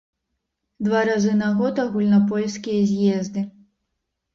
Два разы на год агульнапольскія з'езды.